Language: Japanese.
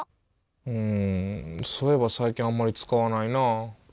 うんそういえば最近あんまり使わないなあ。